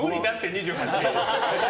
２８。